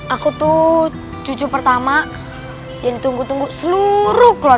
aku tuh cucu pertama yang ditunggu tunggu seluruh keluarga